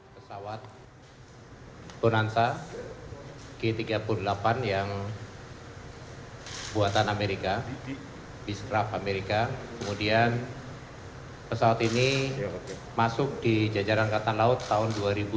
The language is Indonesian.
pesawat gonansa g tiga puluh delapan yang buatan amerika bistraf amerika kemudian pesawat ini masuk di jajaran angkatan laut tahun dua ribu tiga belas